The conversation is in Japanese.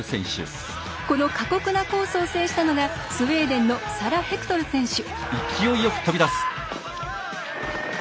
この過酷なコースを制したのがスウェーデンのサラ・ヘクトル選手。